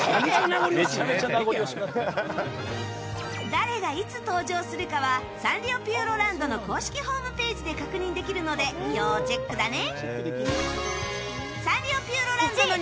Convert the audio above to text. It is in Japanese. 誰がいつ登場するかはサンリオピューロランドの公式ホームページで確認できるので要チェックだね。